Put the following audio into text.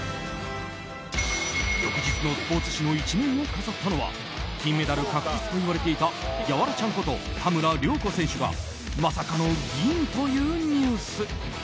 翌日のスポーツ紙の１面を飾ったのは金メダル確実といわれていたヤワラちゃんこと田村亮子選手がまさかの銀というニュース。